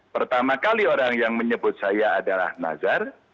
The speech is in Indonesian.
pertama kali orang yang menyebut saya adalah nazar